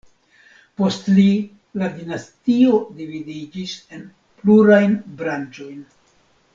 Post li la dinastio dividiĝis en plurajn branĉojn.